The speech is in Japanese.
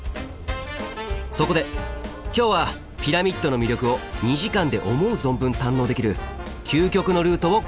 そこで今日はピラミッドの魅力を２時間で思う存分堪能できる究極のルートをご紹介します。